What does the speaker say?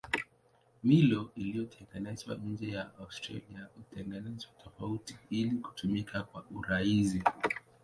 Milo iliyotengenezwa nje ya Australia hutengenezwa tofauti ili kutumika kwa urahisi.